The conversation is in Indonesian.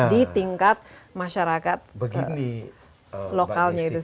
di tingkat masyarakat lokalnya itu sendiri